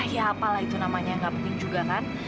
ya apalah itu namanya yang gak penting juga kan